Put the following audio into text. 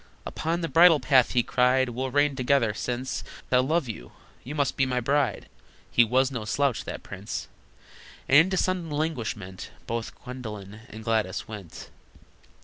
"Upon the bridal path," he cried, "We'll reign together! Since I love you, you must be my bride!" (He was no slouch, that prince!) And into sudden languishment Both Gwendolyn and Gladys went.